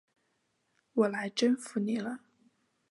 我来征服你了！